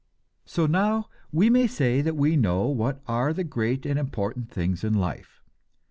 So now we may say that we know what are the great and important things in life.